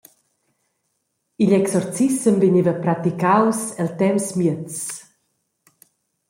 Igl exorcissem vegneva praticaus el temps miez.